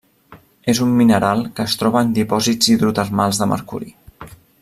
És un mineral que es troba en dipòsits hidrotermals de mercuri.